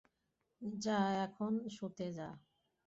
যা, এখন শুতে যা।